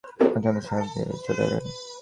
ওসমান সাহেব জবাব না দিয়ে চলে এলেন।